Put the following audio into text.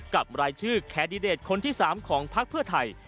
กับรายชื่อแคนดิเดตคนที่๓ของพักเพื่อไทย